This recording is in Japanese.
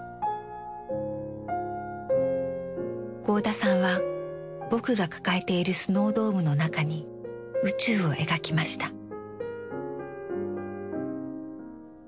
合田さんは「ぼく」が抱えているスノードームの中に宇宙を描きました。